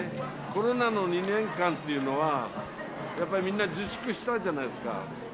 コロナの２年間というのは、やっぱりみんな自粛したじゃないですか。